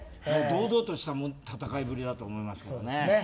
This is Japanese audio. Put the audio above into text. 堂々とした戦いぶりだと思います。